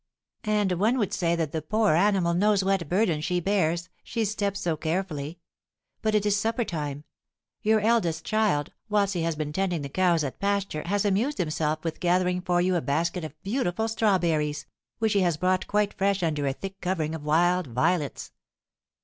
"And one would say that the poor animal knows what burden she bears, she steps so carefully. But it is supper time; your eldest child, whilst he has been tending the cows at pasture, has amused himself with gathering for you a basket of beautiful strawberries, which he has brought quite fresh under a thick covering of wild violets."